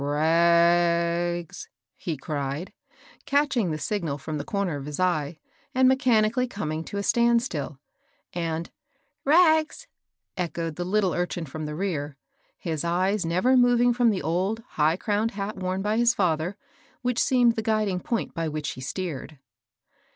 ^^ Rags !" he cried, catching the signal from the comer of his eye, and mechanically coming to a stand still, and "Rags!" echoed the little urchin from the rear, his eyes never moving from the old, high crowned hat worn by his fether, which seemed the guiding point by which he steered.